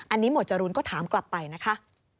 อันนี้หมวดจรูนก็ถามกลับไปนะคะ